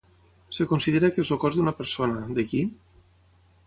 Es considera que és el cos d'una persona, de qui?